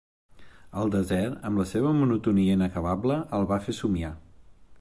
El desert, amb la seva monotonia inacabable, el va fer somiar.